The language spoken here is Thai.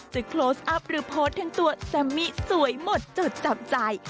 จะโคลสอัพหรือโพสท์ทั้งตัวแซมมี่สวยหมดจดจับจ่าย